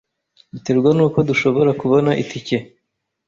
Biterwa nuko dushobora kubona itike.